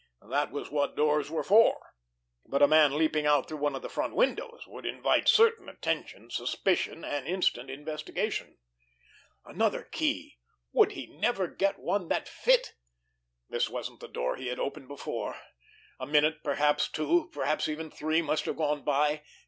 That was what doors were for! But a man leaping out through one of the front windows would invite certain attention, suspicion, and instant investigation. Another key! Would he never get one that would fit! This wasn't the door he had opened before. A minute, perhaps two, perhaps even three, must have gone by!